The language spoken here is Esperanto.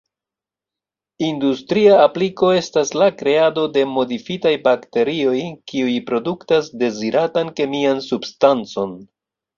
Industria apliko estas la kreado de modifitaj bakterioj, kiuj produktas deziratan kemian substancon.